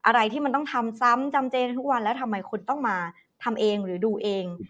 อะไรที่มันต้องทำซ้ำจำเจกันทุกวันแล้วทำไมคุณต้องมาทำเองหรือดูเอง